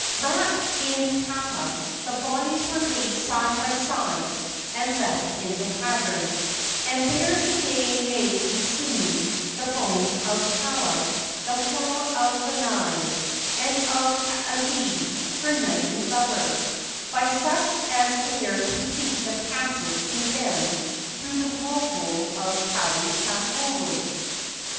Wrapped in kapa, the bodies were laid side by side and left in the cavern; and there to day may be seen the bones of Kaala, the flower of Lanai, and of Kaaialii, her knightly lover, by such as dare to seek the passage to them through the whirlpool of Palikaholo.